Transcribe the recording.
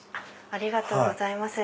ありがとうございます。